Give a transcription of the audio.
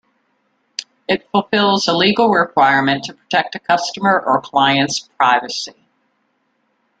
It fulfills a legal requirement to protect a customer or client's privacy.